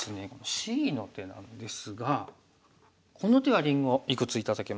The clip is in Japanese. Ｃの手なんですがこの手はりんごいくつ頂けますか？